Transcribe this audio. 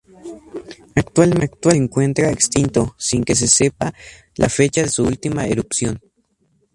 Actualmente se encuentra extinto, sin que se sepa la fecha de su última erupción.